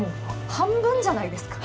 半分じゃないですか。